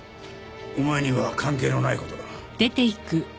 お前には関係のない事だ。